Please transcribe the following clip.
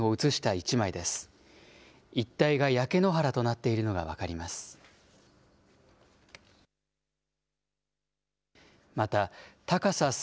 一帯が焼け野原となっているのが分かります。